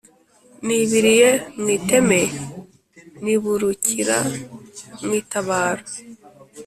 nibiliye mu iteme niburukira mu itabaro,